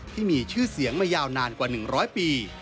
ที่มีชื่อเสียงมายาวนานกว่า๑๐๐ปี